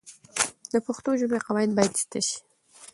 د پښتو ژبې قواعد باید زده سي.